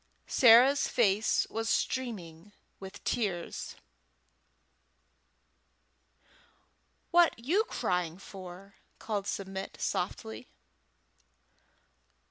Sarah's face was streaming with tears. "What you crying for?" called Submit softly.